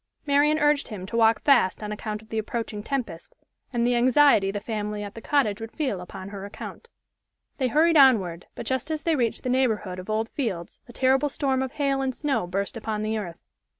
Marian urged him to walk fast on account of the approaching tempest, and the anxiety the family at the cottage would feel upon her account. They hurried onward, but just as they reached the neighborhood of Old Fields a terrible storm of hail and snow burst upon the earth.